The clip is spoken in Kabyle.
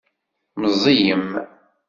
Meẓẓiyem?